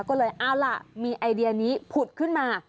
ก็เลยเอาล่ะมีไอเดียนี้ผุดขึ้นมา